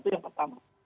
itu yang pertama